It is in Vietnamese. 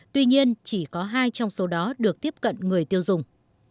tuy nhiên chỉ có hai trong số đó được tiếp cận người tiêu dùng